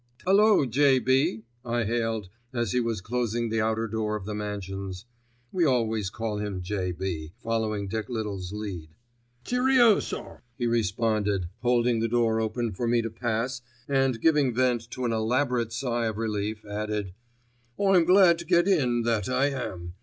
"Hullo, J.B.," I hailed as he was closing the outer door of the mansions. We always call him "J.B.," following Dick Little's lead. "Cheerio, sir," he responded, holding the door open for me to pass and, giving vent to an elaborate sigh of relief, added: "I'm glad to get in, that I am.